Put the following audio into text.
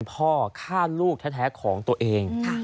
พ่อฆ่าลูกแท้ของตัวเอง